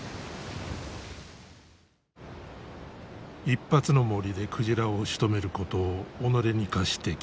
一発の銛で鯨をしとめることを己に課してきた槇。